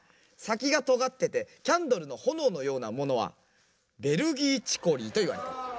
さきがとがっててキャンドルのほのおのようなものは「ベルギーチコリー」といわれてる。